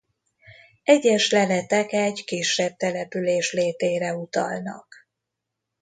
Egyes leletek egy kisebb település létére utalnak.